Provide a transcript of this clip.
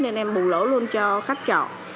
nên em bù lỗ luôn cho khách trọ